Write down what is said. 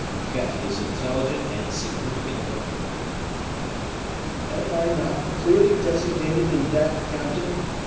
Fouquet his intelligent and significant look. "Am I not clearly designated in that, captain?